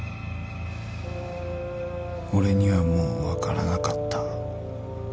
［俺にはもう分からなかった］